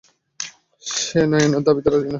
সে নায়নার দাবিতে রাজি হবে না।